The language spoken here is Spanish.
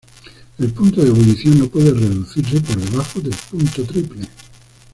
El punto de ebullición no puede reducirse por debajo del punto triple.